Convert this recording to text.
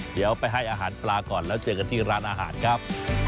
เดี๋ยวไปให้อาหารปลาก่อนแล้วเจอกันที่ร้านอาหารครับ